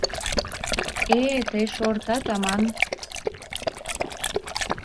Э-э, тый шортат аман?